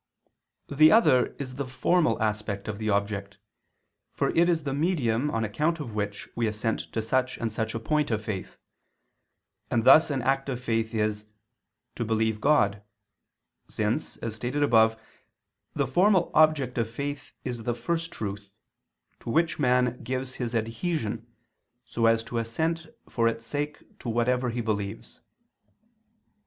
The other is the formal aspect of the object, for it is the medium on account of which we assent to such and such a point of faith; and thus an act of faith is "to believe God," since, as stated above (ibid.) the formal object of faith is the First Truth, to Which man gives his adhesion, so as to assent for Its sake to whatever he believes.